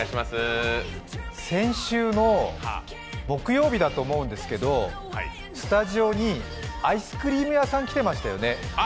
先週の木曜日だと思うんですけどスタジオにアイスクリーム屋さん来てましたよね。